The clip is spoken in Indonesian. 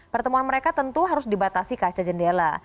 pertemuan mereka tentu harus dibatasi kaca jendela